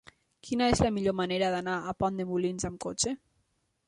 Quina és la millor manera d'anar a Pont de Molins amb cotxe?